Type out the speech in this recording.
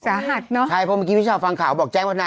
เนอะใช่เพราะเมื่อกี้พี่ชาวฟังข่าวบอกแจ้งวันนา